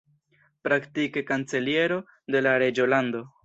Praktike kanceliero de la reĝolando.